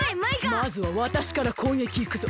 まずはわたしからこうげきいくぞ。